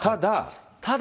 ただ。